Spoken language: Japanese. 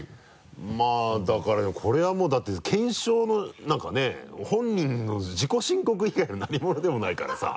まぁだからでもこれはもうだって検証のなんかね本人の自己申告以外のなにものでもないからさ。